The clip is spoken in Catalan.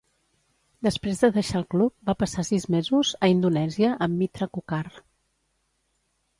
Després de deixar el club, va passar sis mesos a Indonèsia amb Mitra Kukar.